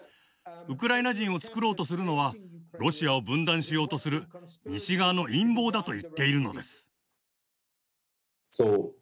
ウクライナ人をつくろうとするのはロシアを分断しようとする西側の陰謀だと言っているのです。